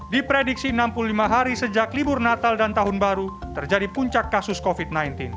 diprediksi enam puluh lima hari sejak libur natal dan tahun baru terjadi puncak kasus covid sembilan belas